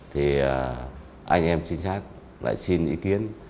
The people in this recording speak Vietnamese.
thì anh em chính xác xin ý kiến